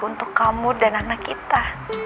untuk kamu dan anak kita